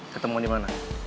ketemu di mana